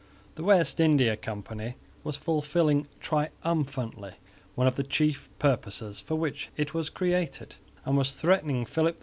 The West India Company was fulfilling triumphantly one of the chief purposes for which it was created, and was threatening Philip IV with financial ruin.